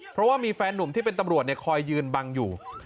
เพราะว่ามีแฟนหนุ่มที่เป็นตำรวจคอยยืนบังอยู่